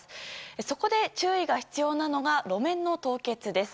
そこで注意が必要なのが路面の凍結です。